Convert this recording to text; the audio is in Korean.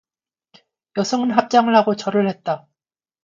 여승은 합장을 하고 절을 했다.